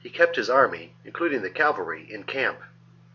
c. kept his army, including the cavalry, in camp.